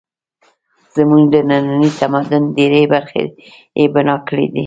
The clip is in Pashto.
زموږ د ننني تمدن ډېرې برخې یې بنا کړې دي